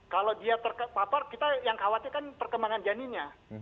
kalau dia terpapar kita yang khawatir kan perkembangan janinnya